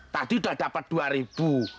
tadi udah dapet dua ribu